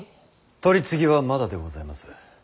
取り次ぎはまだでございます。